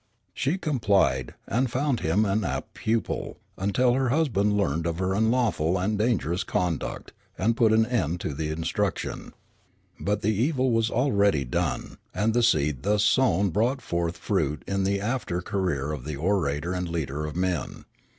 She complied, and found him an apt pupil, until her husband learned of her unlawful and dangerous conduct, and put an end to the instruction. But the evil was already done, and the seed thus sown brought forth fruit in the after career of the orator and leader of men.